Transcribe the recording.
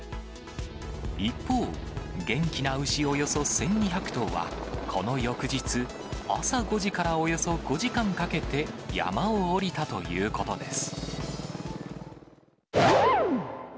一方、元気な牛およそ１２００頭は、この翌日、朝５時からおよそ５時間かけて、山を下りたということです。